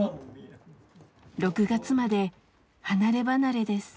６月まで離れ離れです。